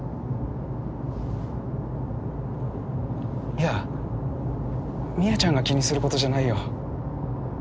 いや深愛ちゃんが気にする事じゃないよ。